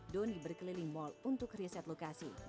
doni berkeliling mal untuk riset lokasi